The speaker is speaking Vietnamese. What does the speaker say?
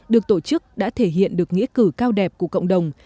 được tổ chức đã thể hiện được nghĩa cử cao đẹp của cộng đồng